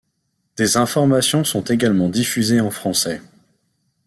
Des informations sont également diffusées en français.